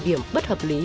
điểm bất hợp lý